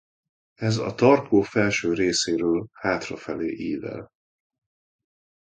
Ez a tarkó felső részéről hátrafelé ível.